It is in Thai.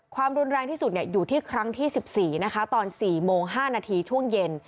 ความรุนแรงที่สุดอยู่ที่ครั้งที่๑๔นะคะตอน๔โมง๕นาทีช่วงเย็น